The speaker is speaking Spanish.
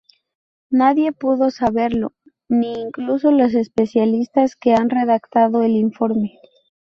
Nadie pudo saberlo, ni incluso los especialistas que han redactado el informe.